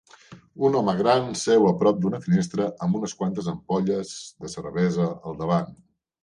Un home gran seu a prop d'una finestra amb unes quantes ampolles de cervesa al davant.